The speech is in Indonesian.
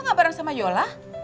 kok gak bareng sama yolah